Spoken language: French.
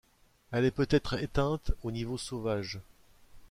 Elle est peut-être éteinte au niveau sauvage.